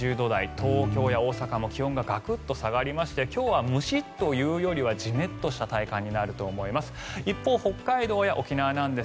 東京や大阪も気温がガクッと下がりまして今日はムシッというよりはジメッとした体感になると思います。